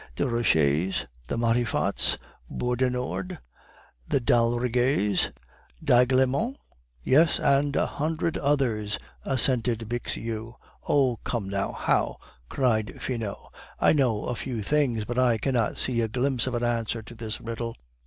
"Desroches, the Matifats, Beaudenord, the d'Aldriggers, d'Aiglemont?" "Yes, and a hundred others," assented Bixiou. "Oh, come now, how?" cried Finot. "I know a few things, but I cannot see a glimpse of an answer to this riddle."